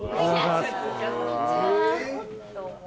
こんにちは。